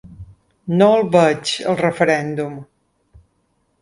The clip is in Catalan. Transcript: No el veig, el referèndum.